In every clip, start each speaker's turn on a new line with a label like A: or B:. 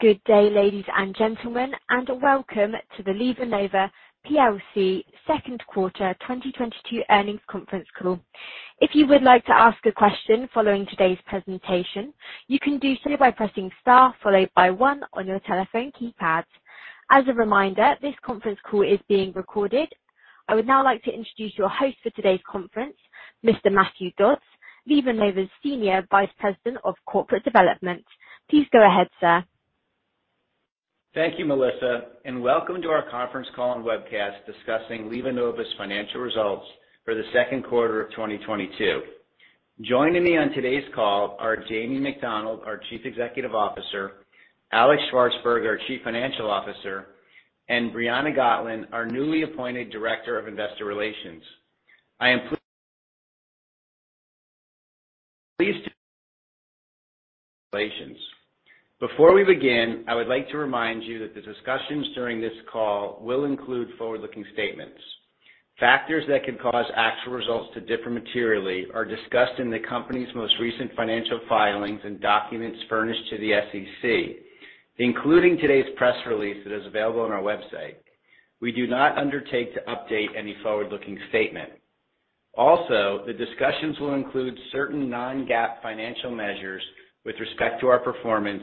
A: Good day, ladies and gentlemen, and welcome to the LivaNova PLC second quarter 2022 earnings conference call. If you would like to ask a question following today's presentation, you can do so by pressing Star followed by one on your telephone keypads. As a reminder, this conference call is being recorded. I would now like to introduce your host for today's conference, Mr. Matthew Dodds, LivaNova's Senior Vice President of Corporate Development. Please go ahead, sir.
B: Thank you, Melissa, and welcome to our conference call and webcast discussing LivaNova's financial results for the second quarter of 2022. Joining me on today's call are Damien McDonald, our Chief Executive Officer, Alex Shvartsburg, our Chief Financial Officer, and Briana Gotlin, our newly appointed Director of Investor Relations. Before we begin, I would like to remind you that the discussions during this call will include forward-looking statements. Factors that could cause actual results to differ materially are discussed in the company's most recent financial filings and documents furnished to the SEC, including today's press release that is available on our website. We do not undertake to update any forward-looking statement. Also, the discussions will include certain non-GAAP financial measures with respect to our performance,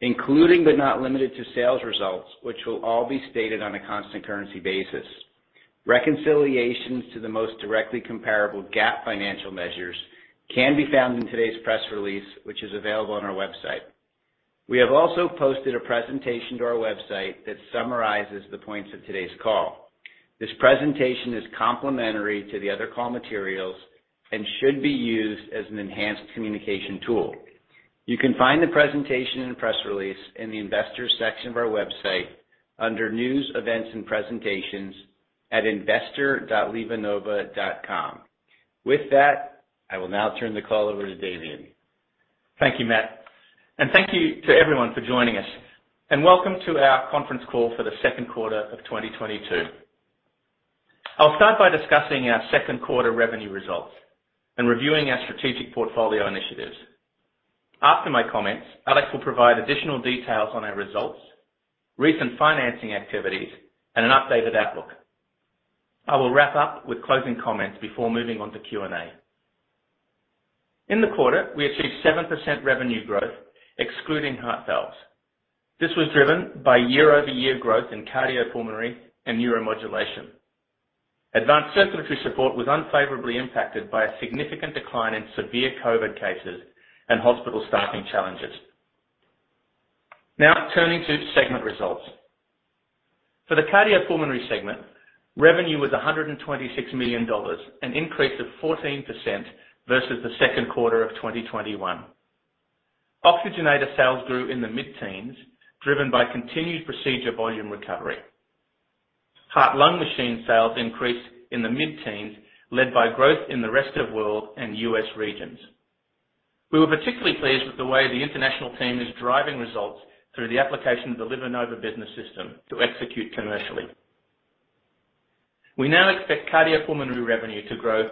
B: including but not limited to sales results, which will all be stated on a constant currency basis. Reconciliations to the most directly comparable GAAP financial measures can be found in today's press release, which is available on our website. We have also posted a presentation to our website that summarizes the points of today's call. This presentation is complementary to the other call materials and should be used as an enhanced communication tool. You can find the presentation and press release in the Investors section of our website under News, Events, and Presentations at investor.livanova.com. With that, I will now turn the call over to Damien.
C: Thank you, Matt, and thank you to everyone for joining us. Welcome to our conference call for the second quarter of 2022. I'll start by discussing our second quarter revenue results and reviewing our strategic portfolio initiatives. After my comments, Alex will provide additional details on our results, recent financing activities, and an updated outlook. I will wrap up with closing comments before moving on to Q&A. In the quarter, we achieved 7% revenue growth, excluding heart valves. This was driven by year-over-year growth in cardiopulmonary and neuromodulation. Advanced circulatory support was unfavorably impacted by a significant decline in severe COVID cases and hospital staffing challenges. Now turning to segment results. For the cardiopulmonary segment, revenue was $126 million, an increase of 14% versus the second quarter of 2021. Oxygenator sales grew in the mid-teens, driven by continued procedure volume recovery. Heart-lung machine sales increased in the mid-teens, led by growth in the Rest of World and U.S. regions. We were particularly pleased with the way the international team is driving results through the application of the LivaNova business system to execute commercially. We now expect cardiopulmonary revenue to grow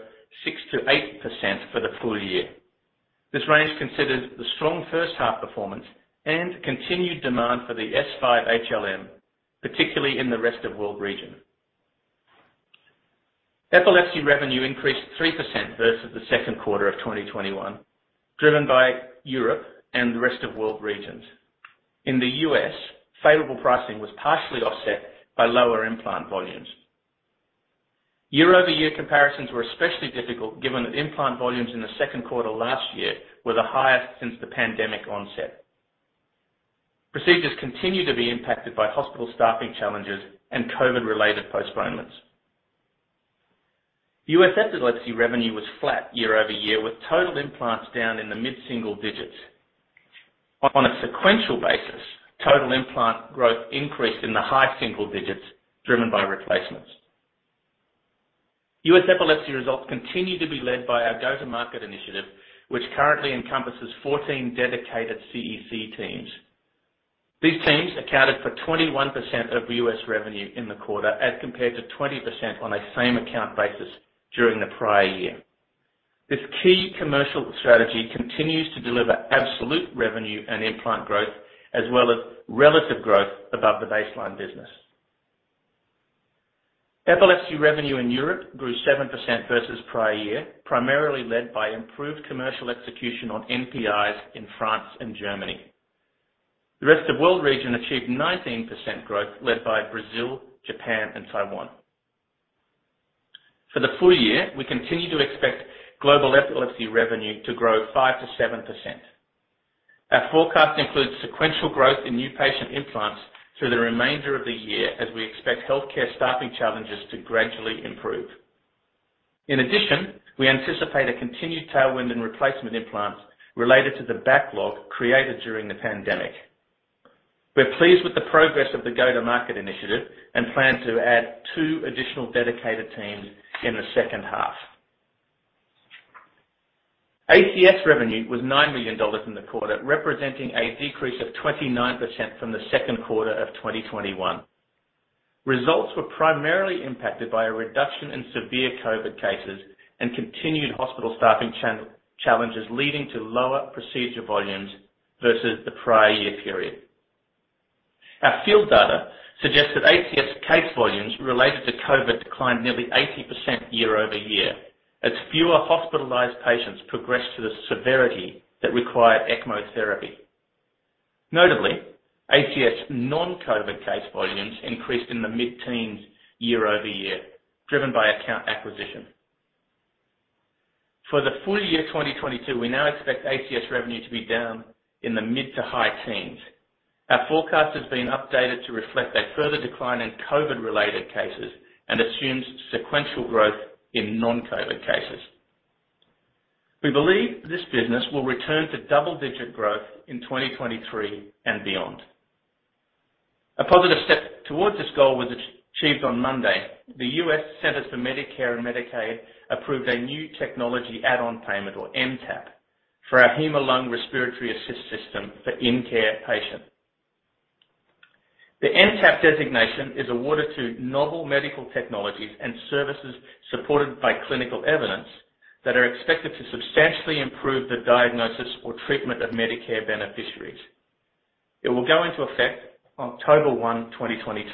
C: 6%-8% for the full year. This range considers the strong first half performance and continued demand for the S5 HLM, particularly in the Rest of World region. Epilepsy revenue increased 3% versus the second quarter of 2021, driven by Europe and the Rest of World regions. In the U.S., favorable pricing was partially offset by lower implant volumes. Year-over-year comparisons were especially difficult given that implant volumes in the second quarter last year were the highest since the pandemic onset. Procedures continue to be impacted by hospital staffing challenges and COVID-related postponements. U.S. epilepsy revenue was flat year-over-year, with total implants down in the mid-single digits. On a sequential basis, total implant growth increased in the high single digits driven by replacements. U.S. epilepsy results continue to be led by our go-to-market initiative, which currently encompasses 14 dedicated CEC teams. These teams accounted for 21% of U.S. revenue in the quarter as compared to 20% on a same quarter basis during the prior year. This key commercial strategy continues to deliver absolute revenue and implant growth as well as relative growth above the baseline business. Epilepsy revenue in Europe grew 7% versus prior year, primarily led by improved commercial execution on NPIs in France and Germany. The rest of world region achieved 19% growth led by Brazil, Japan, and Taiwan. For the full year, we continue to expect global epilepsy revenue to grow 5%-7%. Our forecast includes sequential growth in new patient implants through the remainder of the year as we expect healthcare staffing challenges to gradually improve. In addition, we anticipate a continued tailwind in replacement implants related to the backlog created during the pandemic. We're pleased with the progress of the go-to-market initiative and plan to add two additional dedicated teams in the second half. ACS revenue was $9 million in the quarter, representing a decrease of 29% from the second quarter of 2021. Results were primarily impacted by a reduction in severe COVID cases and continued hospital staffing challenges, leading to lower procedure volumes versus the prior year period. Our field data suggests that ACS case volumes related to COVID declined nearly 80% year-over-year, as fewer hospitalized patients progressed to the severity that required ECMO therapy. Notably, ACS non-COVID case volumes increased in the mid-teens year-over-year, driven by account acquisition. For the full year 2022, we now expect ACS revenue to be down in the mid- to high-teens. Our forecast has been updated to reflect a further decline in COVID-related cases and assumes sequential growth in non-COVID cases. We believe this business will return to double-digit growth in 2023 and beyond. A positive step towards this goal was achieved on Monday. The U.S. Centers for Medicare & Medicaid Services approved a new technology add-on payment or NTAP for our Hemolung respiratory assist system for in-care patients. The NTAP designation is awarded to novel medical technologies and services supported by clinical evidence that are expected to substantially improve the diagnosis or treatment of Medicare beneficiaries. It will go into effect October 1, 2022.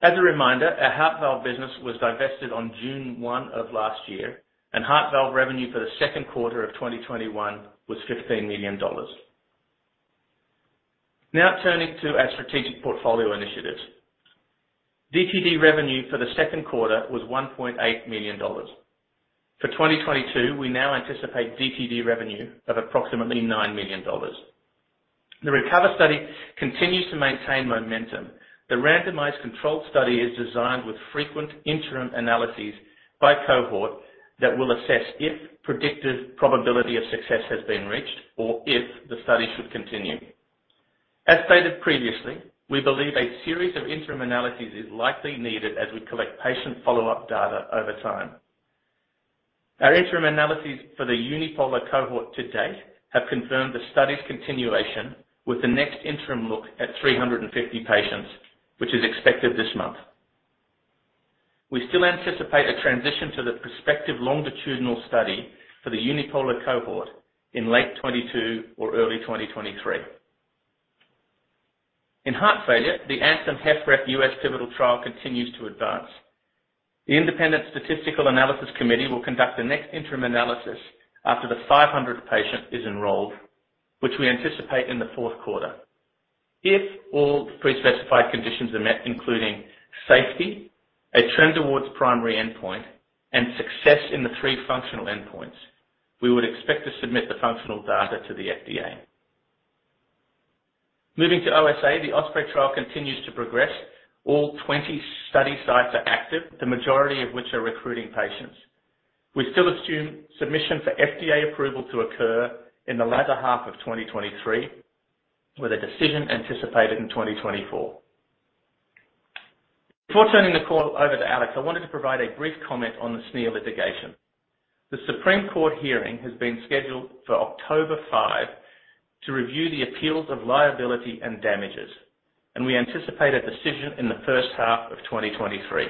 C: As a reminder, our heart valve business was divested on June 1 of last year, and heart valve revenue for the second quarter of 2021 was $15 million. Now turning to our strategic portfolio initiatives. DTD revenue for the second quarter was $1.8 million. For 2022, we now anticipate DTD revenue of approximately $9 million. The RECOVER study continues to maintain momentum. The randomized controlled study is designed with frequent interim analyses by cohort that will assess if predicted probability of success has been reached or if the study should continue. As stated previously, we believe a series of interim analyses is likely needed as we collect patient follow-up data over time. Our interim analyses for the unipolar cohort to date have confirmed the study's continuation with the next interim look at 350 patients, which is expected this month. We still anticipate a transition to the prospective longitudinal study for the unipolar cohort in late 2022 or early 2023. In heart failure, the ANTHEM-HFrEF U.S. pivotal trial continues to advance. The Independent Statistical Analysis Committee will conduct the next interim analysis after the 500th patient is enrolled, which we anticipate in the fourth quarter. If all the pre-specified conditions are met, including safety, a trend towards primary endpoint, and success in the three functional endpoints, we would expect to submit the functional data to the FDA. Moving to OSA, the OSPREY trial continues to progress. All 20 study sites are active, the majority of which are recruiting patients. We still assume submission for FDA approval to occur in the latter half of 2023, with a decision anticipated in 2024. Before turning the call over to Alex, I wanted to provide a brief comment on the SNIA litigation. The Italian Supreme Court hearing has been scheduled for October 5 to review the appeals of liability and damages, and we anticipate a decision in the first half of 2023.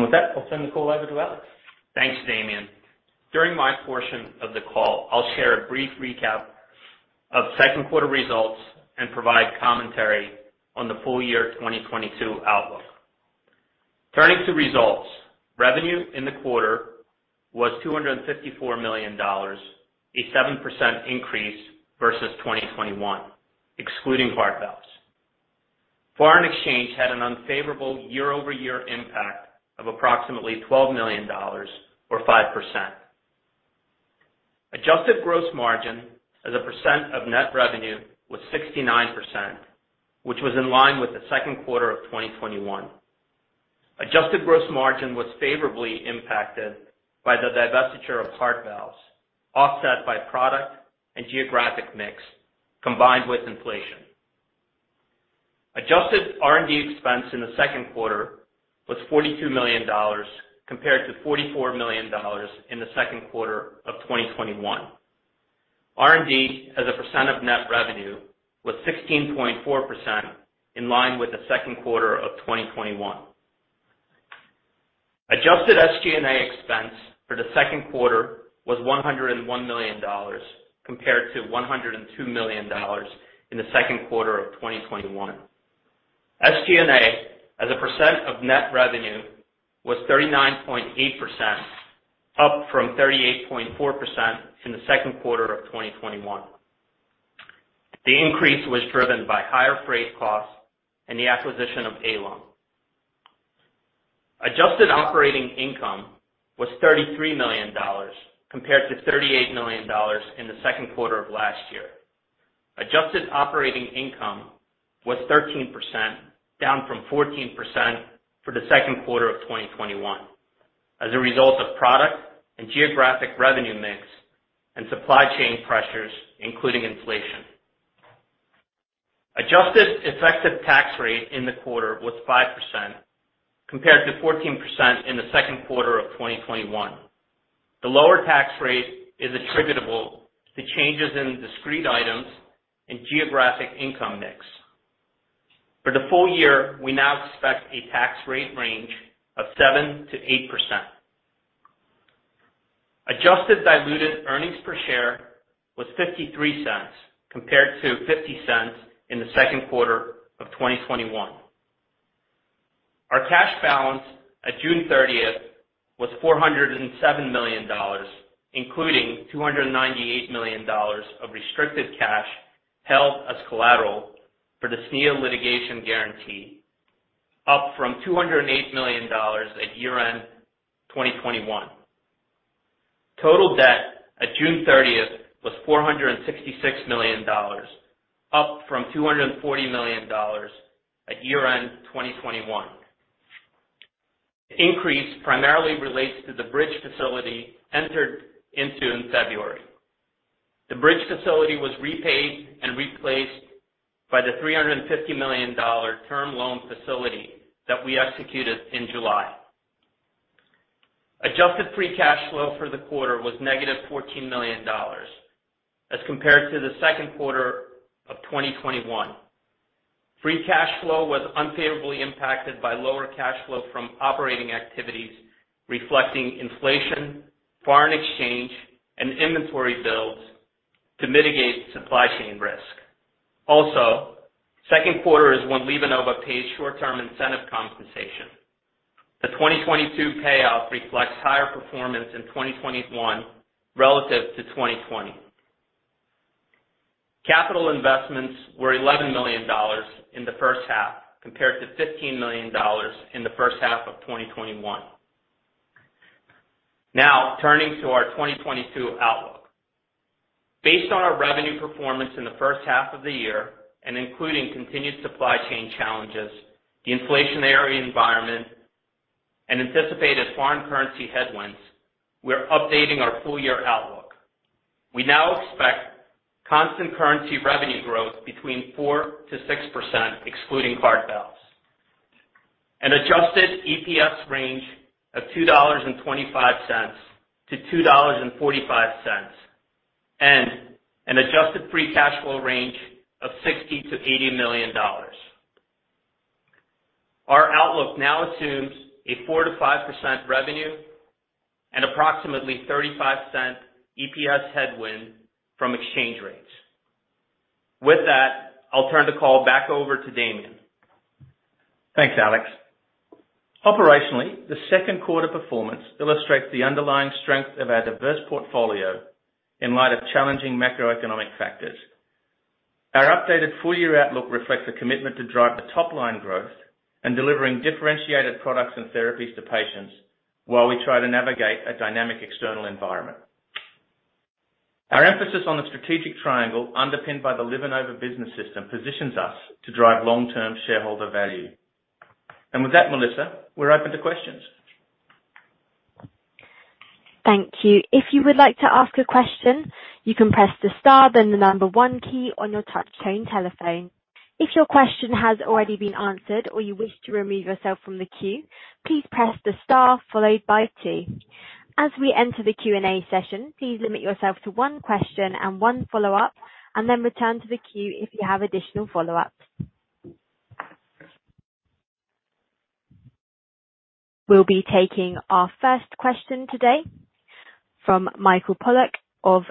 C: With that, I'll turn the call over to Alex.
D: Thanks, Damien. During my portion of the call, I'll share a brief recap of second quarter results and provide commentary on the full year 2022 outlook. Turning to results. Revenue in the quarter was $254 million, a 7% increase versus 2021, excluding heart valves. Foreign exchange had an unfavorable year-over-year impact of approximately $12 million, or 5%. Adjusted gross margin as a percent of net revenue was 69%, which was in line with the second quarter of 2021. Adjusted gross margin was favorably impacted by the divestiture of heart valves, offset by product and geographic mix combined with inflation. Adjusted R&D expense in the second quarter was $42 million compared to $44 million in the second quarter of 2021. R&D as a percent of net revenue was 16.4%, in line with the second quarter of 2021. Adjusted SG&A expense for the second quarter was $101 million, compared to $102 million in the second quarter of 2021. SG&A as a percent of net revenue was 39.8%, up from 38.4% in the second quarter of 2021. The increase was driven by higher freight costs and the acquisition of ALung. Adjusted operating income was $33 million, compared to $38 million in the second quarter of last year. Adjusted operating income was 13%, down from 14% for the second quarter of 2021 as a result of product and geographic revenue mix and supply chain pressures, including inflation. Adjusted effective tax rate in the quarter was 5%, compared to 14% in the second quarter of 2021. The lower tax rate is attributable to changes in discrete items and geographic income mix. For the full year, we now expect a tax rate range of 7%-8%. Adjusted diluted earnings per share was $0.53 compared to $0.50 in the second quarter of 2021. Our cash balance at June 30th was $407 million, including $298 million of restricted cash held as collateral for the SNIA litigation guarantee, up from $208 million at year-end 2021. Total debt at June 30th was $466 million, up from $240 million at year-end 2021. The increase primarily relates to the bridge facility entered into in February. The bridge facility was repaid and replaced by the $350 million term loan facility that we executed in July. Adjusted free cash flow for the quarter was negative $14 million as compared to the second quarter of 2021. Free cash flow was unfavorably impacted by lower cash flow from operating activities, reflecting inflation, foreign exchange, and inventory builds to mitigate supply chain risk. Also, second quarter is when LivaNova pays short-term incentive compensation. The 2022 payout reflects higher performance in 2021 relative to 2020. Capital investments were $11 million in the first half compared to $15 million in the first half of 2021. Now turning to our 2022 outlook. Based on our revenue performance in the first half of the year and including continued supply chain challenges, the inflationary environment and anticipated foreign currency headwinds, we're updating our full-year outlook. We now expect constant currency revenue growth between 4%-6%, excluding Cardiovascular. An adjusted EPS range of $2.25-$2.45, and an adjusted free cash flow range of $60 million-$80 million. Our outlook now assumes a 4%-5% revenue and approximately $0.35 EPS headwind from exchange rates. With that, I'll turn the call back over to Damien.
C: Thanks, Alex. Operationally, the second quarter performance illustrates the underlying strength of our diverse portfolio in light of challenging macroeconomic factors. Our updated full-year outlook reflects a commitment to drive the top-line growth and delivering differentiated products and therapies to patients while we try to navigate a dynamic external environment. Our emphasis on the strategic triangle underpinned by the LivaNova business system positions us to drive long-term shareholder value. With that, Melissa, we're open to questions.
A: Thank you. If you would like to ask a question, you can press the star then the number one key on your touchtone telephone. If your question has already been answered or you wish to remove yourself from the queue, please press the star followed by two. As we enter the Q&A session, please limit yourself to one question and one follow-up, and then return to the queue if you have additional follow-ups. We'll be taking our first question today from Michael Polark of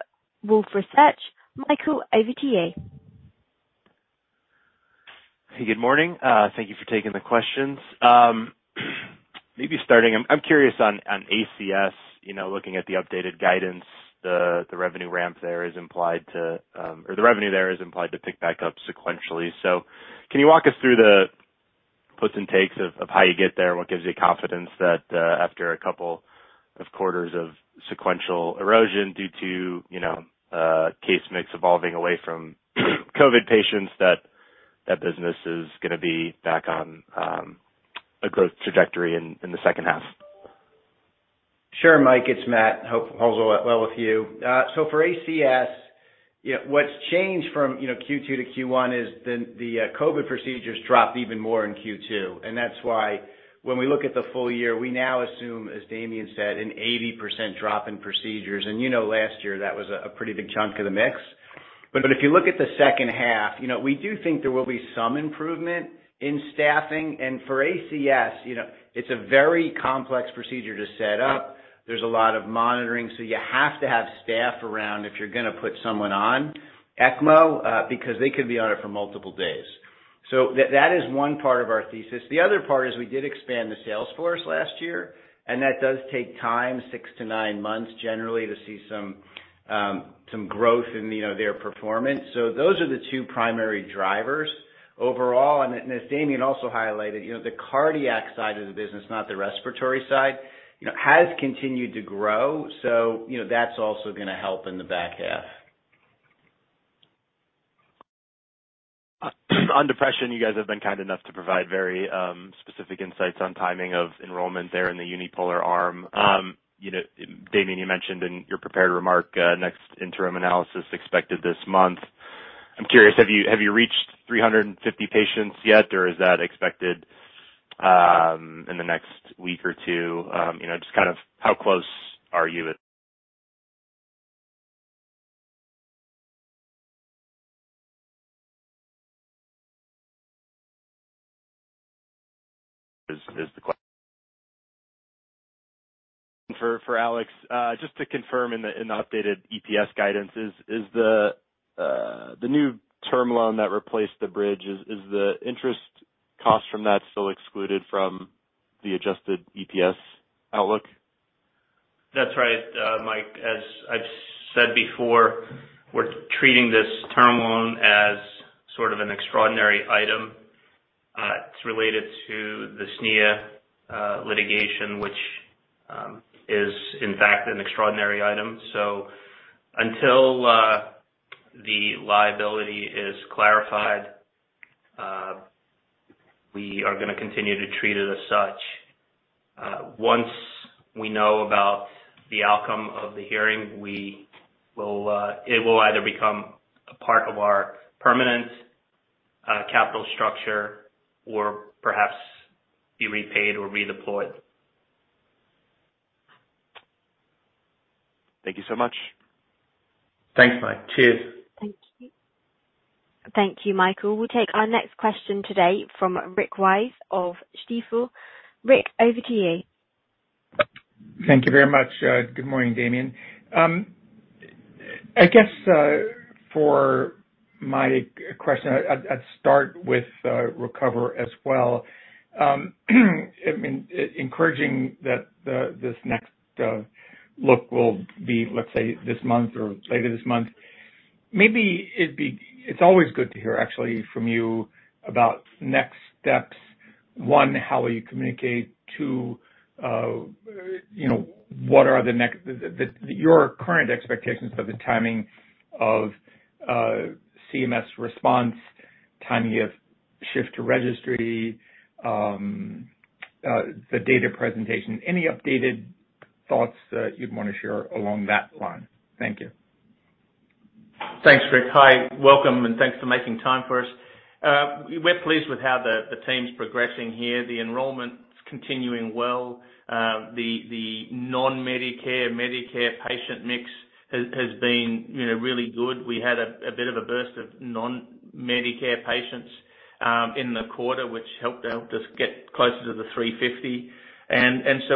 A: Wolfe Research. Michael, over to you.
E: Hey, good morning. Thank you for taking the questions. Maybe starting, I'm curious on ACS, you know, looking at the updated guidance, the revenue there is implied to pick back up sequentially. Can you walk us through the puts and takes of how you get there? What gives you confidence that after a couple of quarters of sequential erosion due to, you know, case mix evolving away from COVID patients that business is gonna be back on a growth trajectory in the second half?
B: Sure, Mike, it's Matt. Hope all well with you. For ACS, you know, what's changed from Q1 to Q2, you know, is the COVID procedures dropped even more in Q2, and that's why when we look at the full year, we now assume, as Damien said, an 80% drop in procedures. Last year that was a pretty big chunk of the mix. If you look at the second half, you know, we do think there will be some improvement in staffing. For ACS, you know, it's a very complex procedure to set up. There's a lot of monitoring, so you have to have staff around if you're gonna put someone on ECMO because they could be on it for multiple days. That is one part of our thesis. The other part is we did expand the sales force last year, and that does take time, six to nine months generally to see some growth in, you know, their performance. Those are the two primary drivers overall. As Damien also highlighted, you know, the cardiac side of the business, not the respiratory side, you know, has continued to grow. You know, that's also gonna help in the back half.
E: On depression, you guys have been kind enough to provide very, specific insights on timing of enrollment there in the unipolar arm. You know, Damien, you mentioned in your prepared remark, next interim analysis expected this month. I'm curious, have you reached 350 patients yet, or is that expected, in the next week or two? You know, just kind of how close are you? For Alex, just to confirm in the updated EPS guidance. Is the new term loan that replaced the bridge, is the interest cost from that still excluded from the adjusted EPS outlook?
D: That's right, Mike. As I've said before, we're treating this term loan as sort of an extraordinary item. It's related to the SNIA litigation, which is in fact an extraordinary item. Until the liability is clarified, we are gonna continue to treat it as such. Once we know about the outcome of the hearing, it will either become a part of our permanent capital structure or perhaps be repaid or redeployed.
E: Thank you so much.
C: Thanks, Mike. Cheers.
A: Thank you. Thank you, Michael. We'll take our next question today from Rick Wise of Stifel. Rick, over to you.
F: Thank you very much. Good morning, Damien. I guess, for my question, I'd start with RECOVER as well. I mean, encouraging that this next look will be, let's say, this month or later this month. It's always good to hear actually from you about next steps. One, how will you communicate? Two, you know, your current expectations for the timing of CMS response, timing of shift to registry, the data presentation. Any updated thoughts that you'd wanna share along that line? Thank you.
C: Thanks, Rick. Hi. Welcome, and thanks for making time for us. We're pleased with how the team's progressing here. The enrollment's continuing well. The non-Medicare Medicare patient mix has been, you know, really good. We had a bit of a burst of non-Medicare patients in the quarter, which helped us get closer to the 350.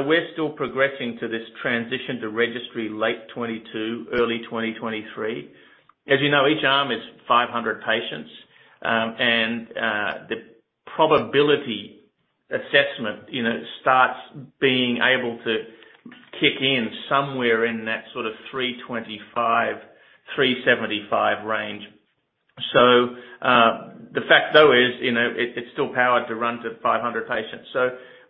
C: We're still progressing to this transition to registry late 2022, early 2023. As you know, each arm is 500 patients. The probability assessment, you know, starts being able to kick in somewhere in that sort of 325-375 range. The fact though is, you know, it's still powered to run to 500 patients.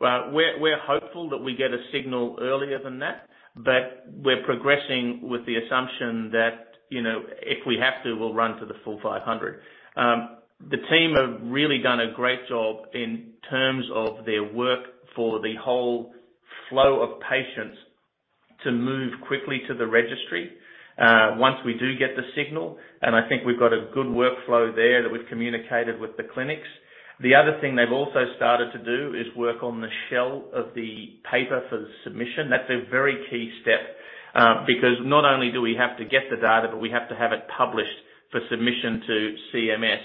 C: We're hopeful that we get a signal earlier than that, but we're progressing with the assumption that, you know, if we have to, we'll run to the full 500. The team have really done a great job in terms of their work for the whole flow of patients to move quickly to the registry, once we do get the signal, and I think we've got a good workflow there that we've communicated with the clinics. The other thing they've also started to do is work on the shell of the paper for the submission. That's a very key step, because not only do we have to get the data, but we have to have it published for submission to CMS.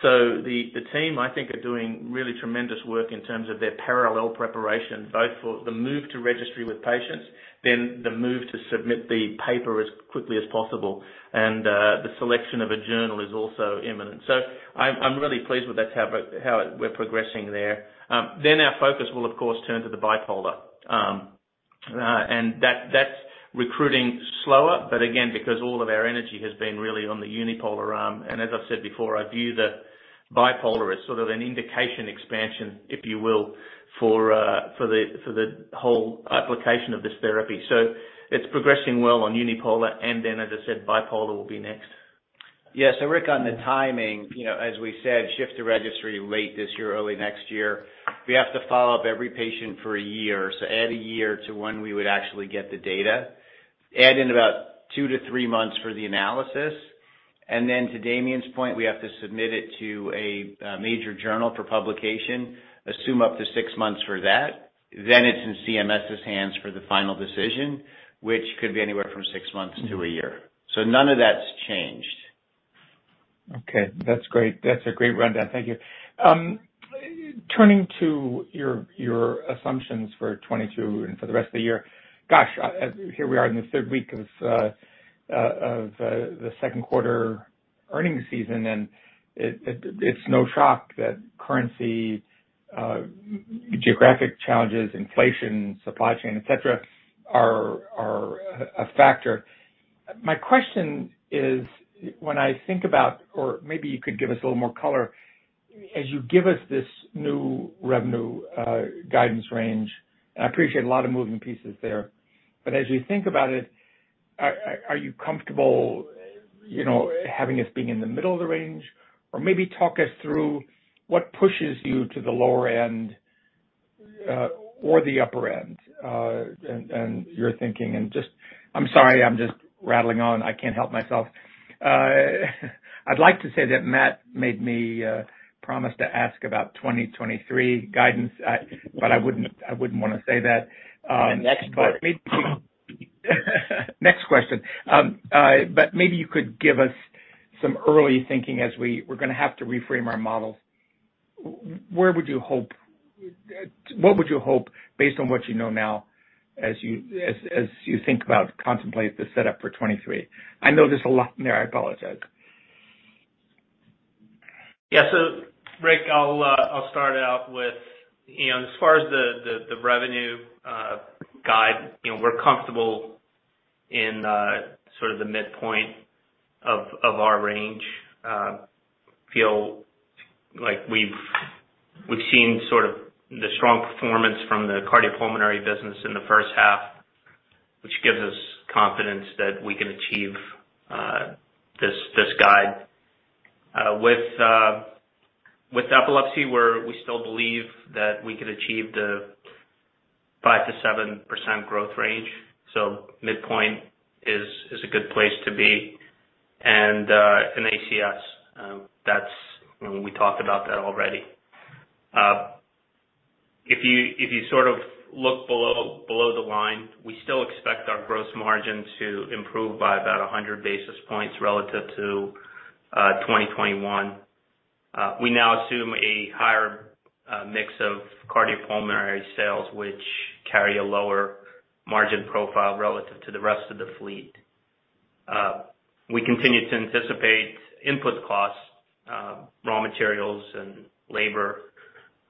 C: The team, I think, are doing really tremendous work in terms of their parallel preparation, both for the move to registry with patients, then the move to submit the paper as quickly as possible. The selection of a journal is also imminent. I'm really pleased with how we're progressing there. Our focus will of course turn to the bipolar. That's recruiting slower, but again, because all of our energy has been really on the unipolar arm. As I've said before, I view the bipolar as sort of an indication expansion, if you will, for the whole application of this therapy. It's progressing well on unipolar. As I said, bipolar will be next.
D: Yeah. Rick, on the timing, you know, as we said, shift to registry late this year, early next year. We have to follow up every patient for a year. Add a year to when we would actually get the data. Add in about two to three months for the analysis. To Damien's point, we have to submit it to a major journal for publication. Assume up to six months for that. It's in CMS's hands for the final decision, which could be anywhere from six months to a year. None of that's changed.
F: Okay. That's great. That's a great rundown. Thank you. Turning to your assumptions for 2022 and for the rest of the year. Gosh, here we are in the third week of the second quarter earnings season, and it's no shock that currency, geographic challenges, inflation, supply chain, et cetera, are a factor. My question is, when I think about or maybe you could give us a little more color, as you give us this new revenue guidance range. I appreciate a lot of moving pieces there. As you think about it, are you comfortable, you know, having us being in the middle of the range? Or maybe talk us through what pushes you to the lower end or the upper end, and you're thinking? I'm sorry, I'm just rattling on. I can't help myself. I'd like to say that Matt made me promise to ask about 2023 guidance, but I wouldn't wanna say that.
D: The next part.
F: Next question. Maybe you could give us some early thinking as we're gonna have to reframe our models. What would you hope based on what you know now as you think about contemplate the setup for 2023? I know there's a lot there. I apologize.
B: Rick, I'll start out with, you know, as far as the revenue guide, you know, we're comfortable in sort of the midpoint of our range. Feel like we've seen sort of the strong performance from the cardiopulmonary business in the first half, which gives us confidence that we can achieve this guide. With epilepsy, we still believe that we could achieve the 5%-7% growth range. Midpoint is a good place to be. In ACS, that's what we talked about already. If you sort of look below the line, we still expect our gross margin to improve by about 100 basis points relative to 2021. We now assume a higher mix of cardiopulmonary sales, which carry a lower margin profile relative to the rest of the fleet. We continue to anticipate input costs, raw materials and labor,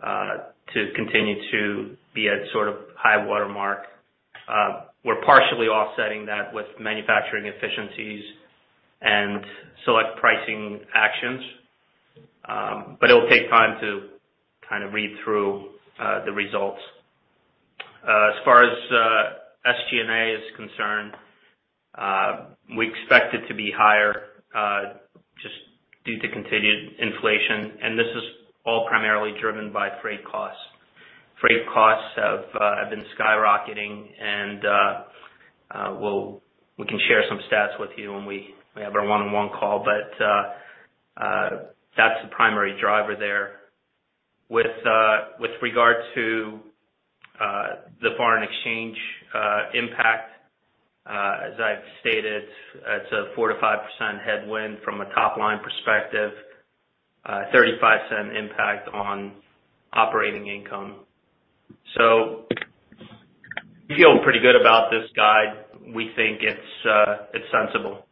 B: to continue to be at sort of high watermark. We're partially offsetting that with manufacturing efficiencies and select pricing actions. But it'll take time to kind of read through the results. As far as SG&A is concerned, we expect it to be higher just due to continued inflation, and this is all primarily driven by freight costs. Freight costs have been skyrocketing and we can share some stats with you when we have our one-on-one call. That's the primary driver there.
C: With regard to the foreign exchange impact, as I've stated, it's a 4%-5% headwind from a top line perspective, $0.35 impact on operating income. We feel pretty good about this guide. We think it's sensible.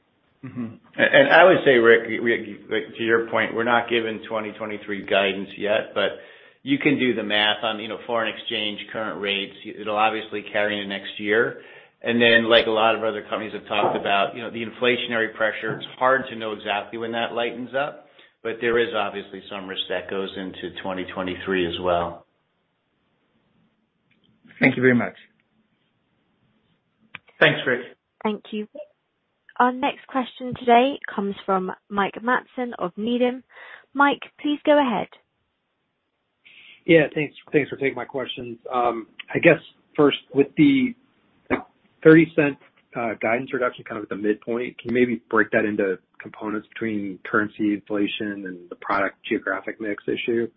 F: Mm-hmm.
D: I would say, Rick, we like, to your point, we're not given 2023 guidance yet, but you can do the math on, you know, foreign exchange, current rates. It'll obviously carry into next year. Then like a lot of other companies have talked about, you know, the inflationary pressure, it's hard to know exactly when that lightens up, but there is obviously some risk that goes into 2023 as well.
F: Thank you very much.
D: Thanks, Rick.
A: Thank you. Our next question today comes from Mike Matson of Needham. Mike, please go ahead.
G: Yeah, thanks. Thanks for taking my questions. I guess first with the $0.30 guidance reduction kind of at the midpoint, can you maybe break that into components between currency inflation and the product geographic mix issue?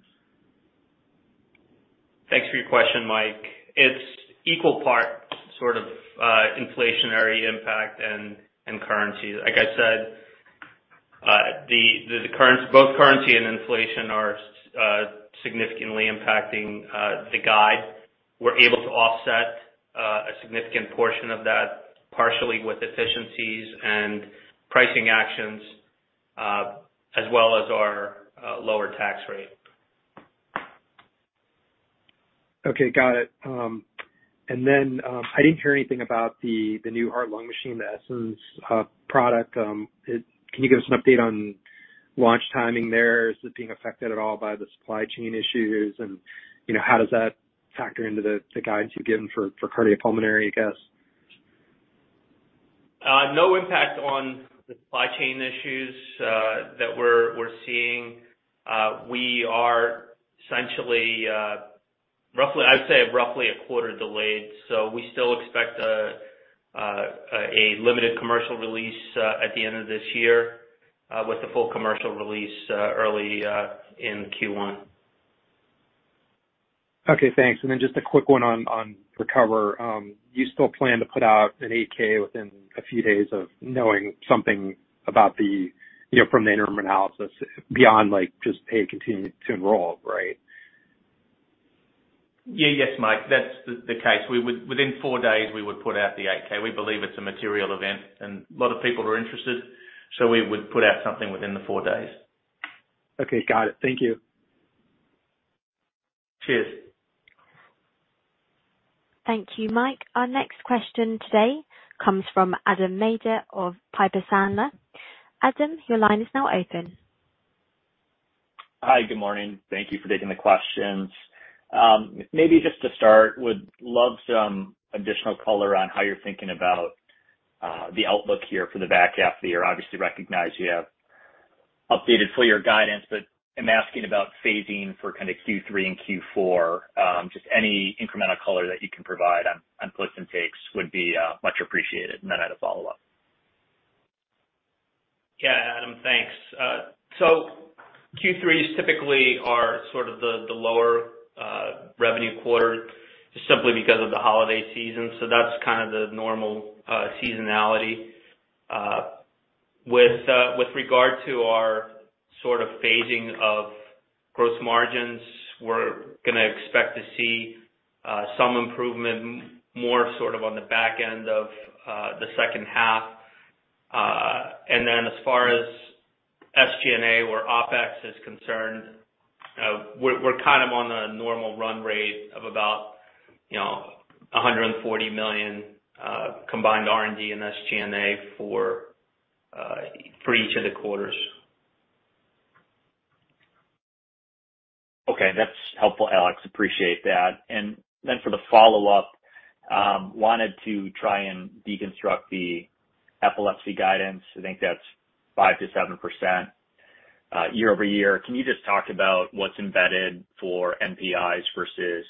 D: Thanks for your question, Mike. It's equal part sort of, inflationary impact and currency. Like I said, both currency and inflation are significantly impacting the guide. We're able to offset a significant portion of that, partially with efficiencies and pricing actions, as well as our lower tax rate.
G: Okay. Got it. I didn't hear anything about the new heart-lung machine, the Essenz product. Can you give us an update on launch timing there? Is it being affected at all by the supply chain issues? How does that factor into the guidance you've given for cardiopulmonary, I guess?
D: No impact on the supply chain issues that we're seeing. We are essentially, I would say, roughly a quarter delayed. We still expect a limited commercial release at the end of this year with the full commercial release early in Q1.
G: Okay. Thanks. Just a quick one on RECOVER. You still plan to put out an 8-K within a few days of knowing something about the, you know, from the interim analysis beyond like just, hey, continue to enroll, right?
D: Yes, Mike, that's the case. Within four days we would put out the 8-K. We believe it's a material event and a lot of people are interested, so we would put out something within the four days.
G: Okay. Got it. Thank you.
D: Cheers.
A: Thank you, Mike. Our next question today comes from Adam Maeder of Piper Sandler. Adam, your line is now open.
H: Hi. Good morning. Thank you for taking the questions. Maybe just to start, would love some additional color on how you're thinking about The outlook here for the back half of the year. Obviously recognize you have updated full year guidance, but I'm asking about phasing for kinda Q3 and Q4. Just any incremental color that you can provide on puts and takes would be much appreciated. I had a follow-up.
D: Yeah, Adam. Thanks. Q3s typically are sort of the lower revenue quarter just simply because of the holiday season. That's kind of the normal seasonality. With regard to our sort of phasing of gross margins, we're gonna expect to see some improvement more sort of on the back end of the second half. As far as SG&A where OpEx is concerned, we're kind of on a normal run rate of about, you know, $140 million combined R&D and SG&A for each of the quarters.
H: Okay. That's helpful, Alex. Appreciate that. Then for the follow-up, wanted to try and deconstruct the epilepsy guidance. I think that's 5%-7%, year-over-year. Can you just talk about what's embedded for NPIs versus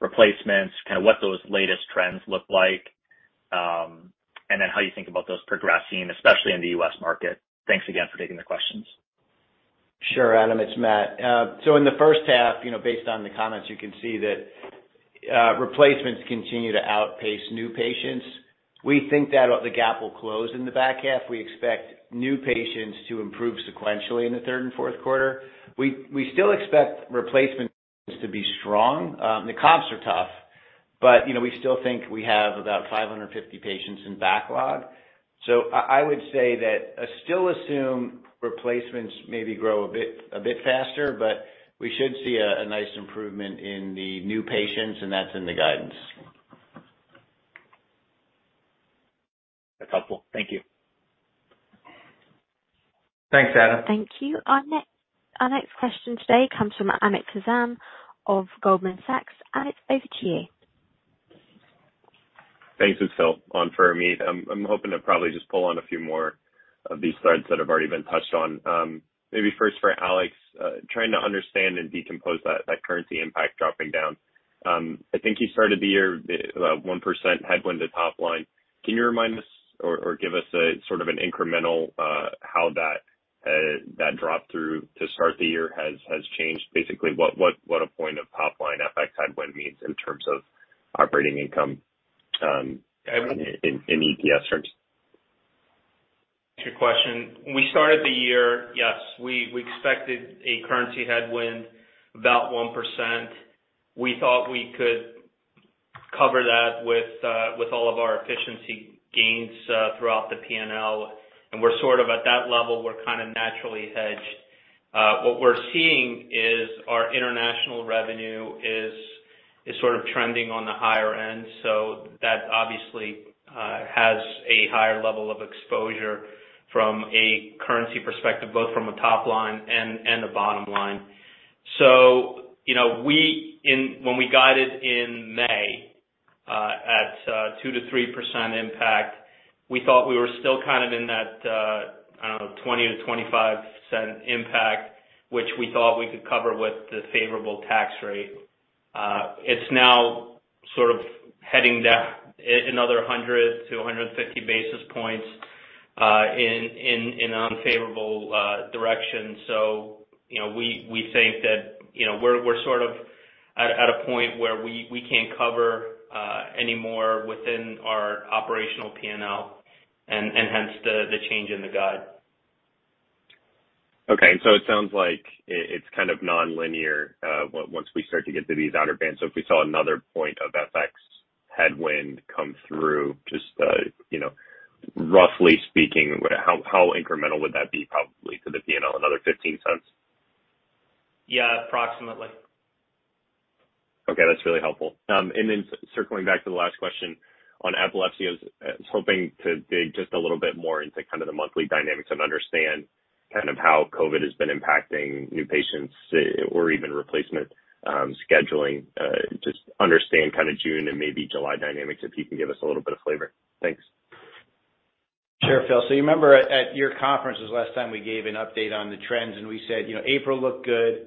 H: replacements? Kinda what those latest trends look like, and then how you think about those progressing, especially in the U.S. market. Thanks again for taking the questions.
B: Sure, Adam. It's Matt. So in the first half, you know, based on the comments, you can see that replacements continue to outpace new patients. We think that the gap will close in the back half. We expect new patients to improve sequentially in the third and fourth quarter. We still expect replacements to be strong. The comps are tough, but you know, we still think we have about 550 patients in backlog. So I would say that still assume replacements maybe grow a bit faster, but we should see a nice improvement in the new patients, and that's in the guidance.
H: That's helpful. Thank you.
D: Thanks, Adam.
A: Thank you. Our next question today comes from Amit Hazan of Goldman Sachs. Amit, over to you.
I: Thanks. It's Phil, on for Amit. I'm hoping to probably just pull on a few more of these threads that have already been touched on. Maybe first for Alex, trying to understand and decompose that currency impact dropping down. I think you started the year about 1% headwind to top line. Can you remind us or give us a sort of an incremental how that drop through to start the year has changed? Basically, what a point of top line FX headwind means in terms of operating income, in EPS terms.
D: Sure question. We expected a currency headwind about 1%. We thought we could cover that with all of our efficiency gains throughout the P&L. We're sort of at that level, we're kinda naturally hedged. What we're seeing is our international revenue is sort of trending on the higher end, so that obviously has a higher level of exposure from a currency perspective, both from a top line and a bottom line. You know, when we guided in May at 2%-3% impact, we thought we were still kind of in that, I don't know, $0.20-$0.25 impact, which we thought we could cover with the favorable tax rate. It's now sort of heading down another 100 to 150 basis points in unfavorable direction. You know, we think that, you know, we're sort of at a point where we can't cover any more within our operational P&L and hence the change in the guide.
I: Okay. It sounds like it's kind of non-linear, once we start to get to these outer bands. If we saw another point of FX headwind come through, just, you know, roughly speaking, how incremental would that be probably to the P&L? Another $0.15?
D: Yeah, approximately.
I: Okay, that's really helpful. Circling back to the last question on epilepsy, I was hoping to dig just a little bit more into kind of the monthly dynamics and understand kind of how COVID has been impacting new patients or even replacement scheduling. Just understand kind of June and maybe July dynamics, if you can give us a little bit of flavor. Thanks.
B: Sure, Phil. You remember at your conferences last time, we gave an update on the trends and we said, you know, April looked good,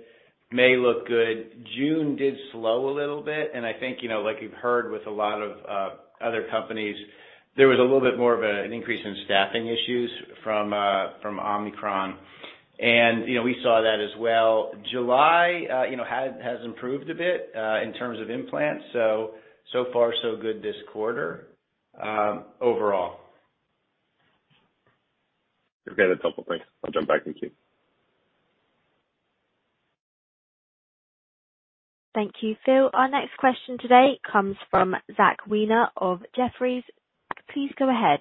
B: May looked good. June did slow a little bit, and I think, you know, like you've heard with a lot of other companies, there was a little bit more of an increase in staffing issues from Omicron. You know, we saw that as well. July you know has improved a bit in terms of implants, so far so good this quarter, overall.
I: Okay, that's helpful. Thanks. I'll jump back in queue.
A: Thank you, Phil. Our next question today comes from Zachary Weiner of Jefferies. Zach, please go ahead.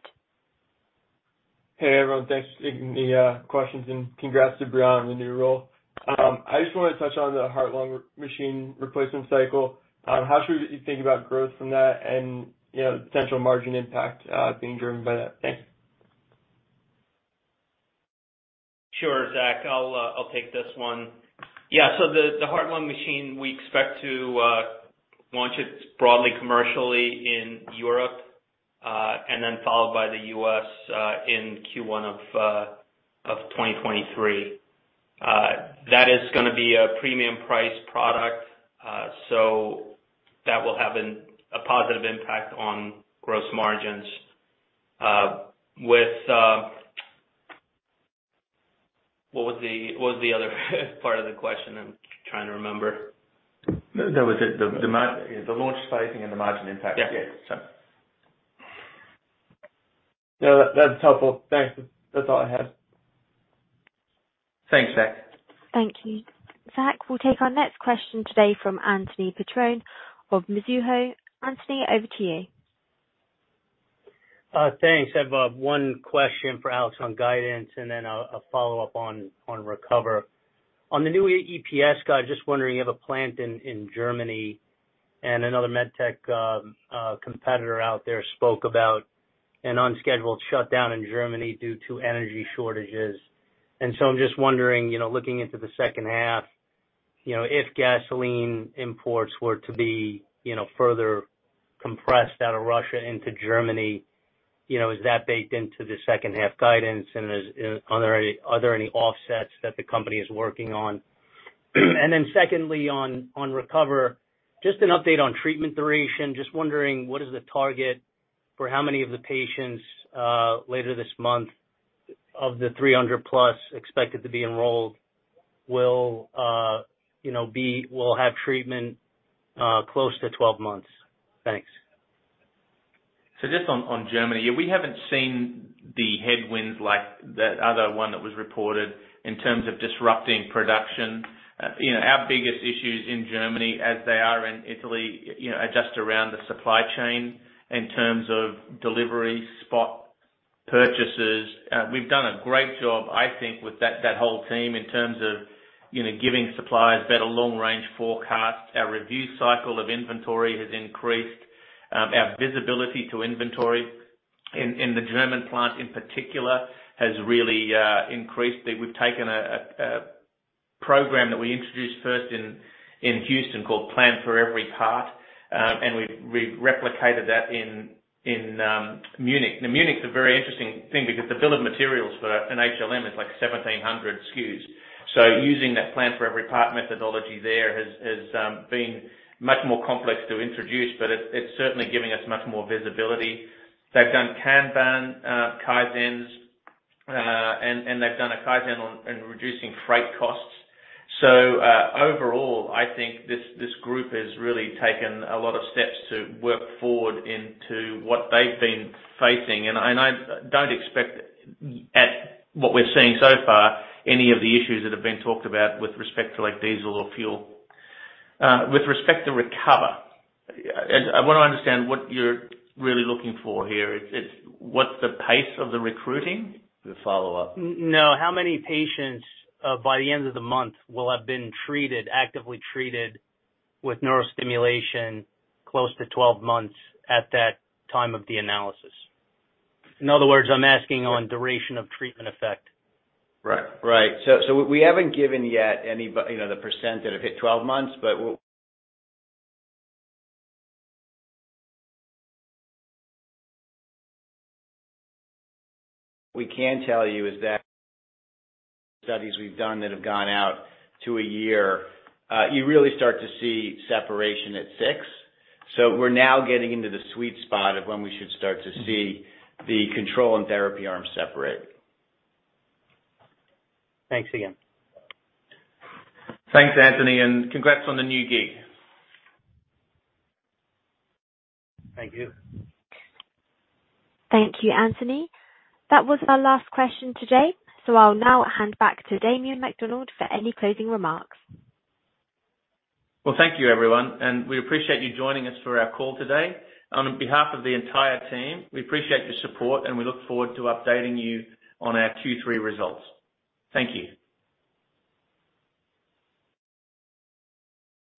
J: Hey, everyone. Thanks for taking the questions, and congrats to Briana on the new role. I just wanna touch on the heart-lung machine replacement cycle. How should we think about growth from that and, you know, potential margin impact being driven by that? Thanks.
C: Sure, Zach, I'll take this one. Yeah, so the heart-lung machine, we expect to launch it broadly commercially in Europe, and then followed by the U.S., in Q1 of 2023. That is gonna be a premium price product, so that will have a positive impact on gross margins. What was the other part of the question? I'm trying to remember. That was it. The launch phasing and the margin impact. Yeah. Yeah, so.
J: No, that's helpful. Thanks. That's all I have.
C: Thanks, Zach.
A: Thank you, Zach. We'll take our next question today from Anthony Petrone of Mizuho. Anthony, over to you.
K: Thanks. I have one question for Alex on guidance, and then a follow-up on RECOVER. On the new EPS guide, just wondering, you have a plant in Germany and another med tech competitor out there spoke about an unscheduled shutdown in Germany due to energy shortages. I'm just wondering, you know, looking into the second half, you know, if gas imports were to be, you know, further compressed out of Russia into Germany, you know, is that baked into the second half guidance and are there any offsets that the company is working on? Then secondly, on RECOVER, just an update on treatment duration. Just wondering what is the target for how many of the patients later this month, of the 300+ expected to be enrolled will, you know, be. will have treatment, close to 12 months? Thanks.
C: Just on Germany. Yeah, we haven't seen the headwinds like that other one that was reported in terms of disrupting production. You know, our biggest issues in Germany, as they are in Italy, are just around the supply chain in terms of delivery, spot purchases. We've done a great job, I think, with that whole team in terms of giving suppliers better long-range forecasts. Our review cycle of inventory has increased. Our visibility to inventory in the German plant in particular has really increased. We've taken a program that we introduced first in Houston called Plan for Every Part. We've replicated that in Munich. Now Munich is a very interesting thing because the bill of materials for an HLM is like 1,700 SKUs. Using that Plan for Every Part methodology there has been much more complex to introduce. It's certainly giving us much more visibility. They've done Kanban, Kaizens, and they've done a Kaizen on reducing freight costs. Overall, I think this group has really taken a lot of steps to work forward into what they've been facing. I don't expect at what we're seeing so far, any of the issues that have been talked about with respect to like diesel or fuel. With respect to RECOVER, I wanna understand what you're really looking for here. What's the pace of the recruiting? The follow-up.
K: No. How many patients, by the end of the month will have been treated, actively treated with neurostimulation close to 12 months at that time of the analysis? In other words, I'm asking on duration of treatment effect.
C: Right. We haven't given yet any. You know, the percent that have hit 12 months, but we can tell you is that studies we've done that have gone out to a year, you really start to see separation at 6. We're now getting into the sweet spot of when we should start to see the control and therapy arm separate.
K: Thanks again.
C: Thanks, Anthony, and congrats on the new gig.
K: Thank you.
A: Thank you, Anthony. That was our last question today. I'll now hand back to Damien McDonald for any closing remarks.
C: Well, thank you, everyone, and we appreciate you joining us for our call today. On behalf of the entire team, we appreciate your support and we look forward to updating you on our Q3 results. Thank you.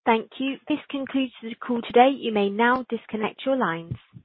A: Thank you. This concludes the call today. You may now disconnect your lines.